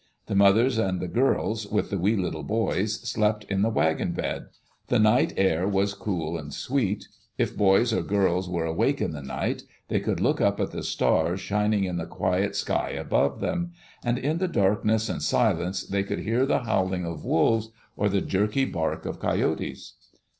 The mothers and the girls, with the wee little boys, slept In the wagon bed. The night air was cool and sweet. If boys or girls were awake In the night, they could look up at the stars shining in the quiet sky above them; and in Digitized by CjOOQ IC THE OREGON TRAIL the darkness and silence they could hear the howling of wolves or the jerky bark of coyotes.